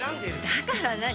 だから何？